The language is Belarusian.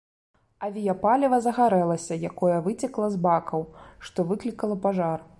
Авіяпаліва загарэлася, якое выцекла з бакаў, што выклікала пажар.